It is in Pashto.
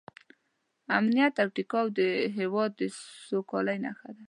امنیت او ټیکاو د هېواد د سوکالۍ نښه ده.